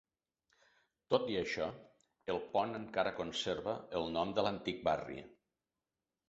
Tot i això, el pont encara conserva el nom de l'antic barri.